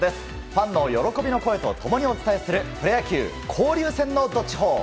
ファンの喜びの声と共にお伝えするプロ野球交流戦のどっちほー。